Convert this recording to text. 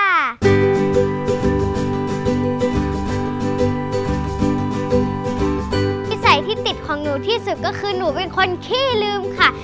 นิสัยที่ติดของหนูที่สุดก็คือหนูเป็นคนขี้ลืมค่ะ